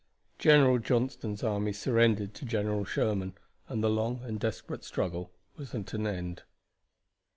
General Johnston's army surrendered to General Sherman, and the long and desperate struggle was at an end.